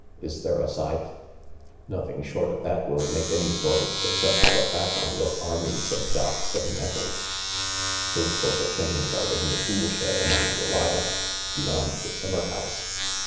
Is there a scythe ? Nothing short of that will make any sort of successful attack on your armies of docks and nettles." " Those sort of things are in the toolshed among the lilacs beyond the summer house.